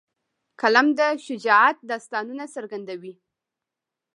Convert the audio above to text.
قلم د شجاعت داستانونه څرګندوي